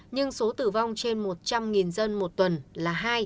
nhưng số tử vong trên một trăm linh dân một tuần là hai